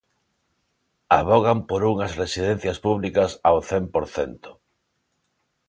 Avogan por unhas residencias públicas ao cen por cento.